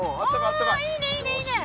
おいいねいいねいいね！